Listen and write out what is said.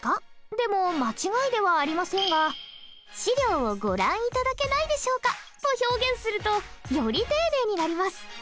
でも間違いではありませんが「資料をご覧いただけないでしょうか？」と表現するとより丁寧になります。